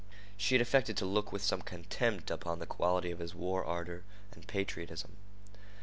She had affected to look with some contempt upon the quality of his war ardor and patriotism.